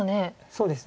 そうですね。